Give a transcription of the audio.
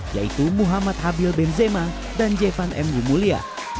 yaitu muhammad habil benzema dan jeffan m gumulya